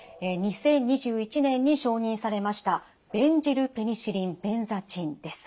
２０２１年に承認されましたベンジルペニシリンベンザチンです。